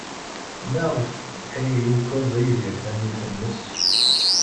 Maɣef ay yukeḍ Yidir tamurt-nnes?